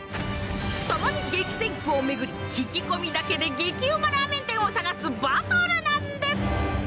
共に激戦区をめぐり聞き込みだけで激うまラーメン店を探すバトルなんです。